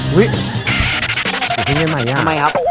อุ้ยอีกทีเย็นใหม่อ่ะทำไมครับ